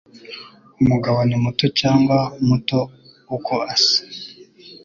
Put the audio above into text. Umugabo ni muto cyangwa muto uko asa.